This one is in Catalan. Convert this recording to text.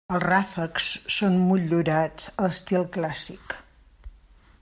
Els ràfecs són motllurats a l'estil clàssic.